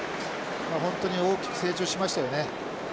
本当に大きく成長しましたよね。